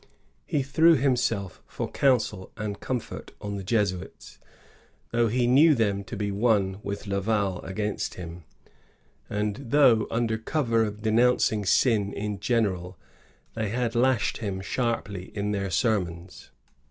'He threw himself for counsel and comfort on the Jesuits, though he knew them to be one with Laval against him, and though, under cover of denouncing sin in general, they had lashed him sharply in their sermons.